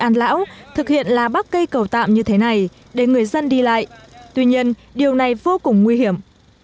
an lão thực hiện là bắt cây cầu tạm như thế này để người dân đi lại tuy nhiên điều này vô cùng nguy hiểm